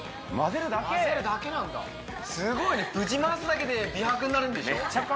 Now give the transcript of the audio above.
すごいねぶち回すだけで美白になるんでしょ？